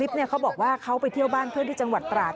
คือเจ้าของคลิปเขาบอกว่าเขาไปเที่ยวบ้านเพื่อนที่จังหวัดตราศ